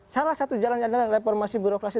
salah satu jalannya adalah reformasi birokrasi